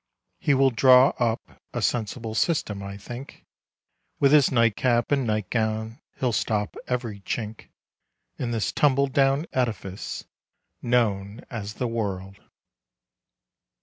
He will draw up a sensible system, I think, With his nightcap and nightgown he'll stop every chink In this tumble down edifice known as the world.